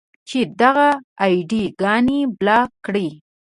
چې دغه اې ډي ګانې بلاک کړئ.